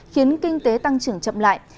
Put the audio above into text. khiến kinh tế tăng trưởng chậm lại